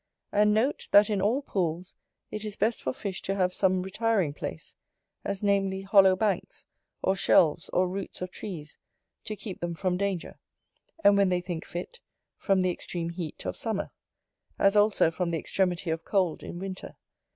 And note, that in all pools it is best for fish to have some retiring place; as namely, hollow banks, or shelves, or roots of trees, to keep them from danger, and, when they think fit, from the extreme heat of summer; as also from the extremity of cold in winter.